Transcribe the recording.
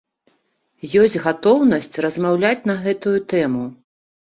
Ёсць гатоўнасць размаўляць на гэтую тэму.